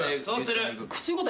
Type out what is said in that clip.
そうする！